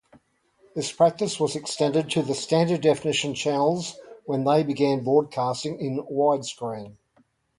This practice was extended to the standard-definition channels when they began broadcasting in widescreen.